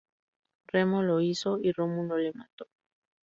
Remo lo hizo, y Rómulo le mató.